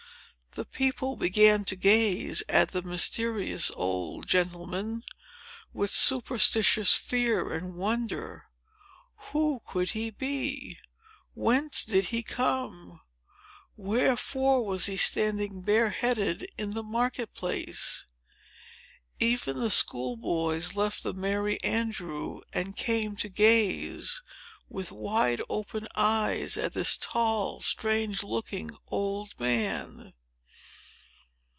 The people began to gaze at the mysterious old gentleman, with superstitious fear and wonder. Who could he be? Whence did he come? Wherefore was he standing bare headed in the market place? Even the school boys left the Merry Andrew, and came to gaze, with wide open eyes, at this tall, strange looking old man.